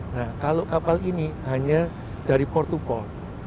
nah kalau kapal ini hanya dari port to port